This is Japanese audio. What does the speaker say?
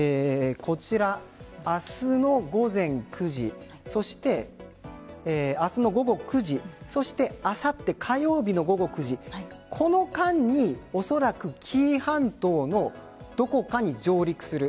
明日の午前９時そして明日の午後９時あさって火曜日の午後９時この間に、おそらく紀伊半島のどこかに上陸する。